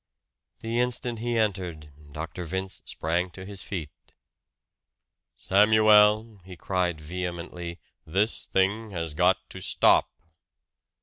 The instant he entered, Dr. Vince sprang to his feet. "Samuel," he cried vehemently, "this thing has got to stop!"